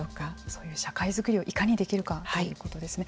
そういう社会づくりをいかにできるかということですね。